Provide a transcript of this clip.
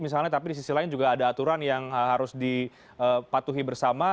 misalnya tapi di sisi lain juga ada aturan yang harus dipatuhi bersama